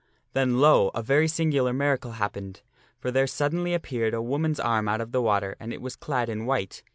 Then, lo ! a very singular miracle occurred, for there suddenly appeared a woman's arm out of the water and it was clad in white.